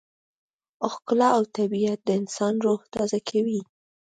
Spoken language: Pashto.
ښکلا او طبیعت د انسان روح تازه کوي.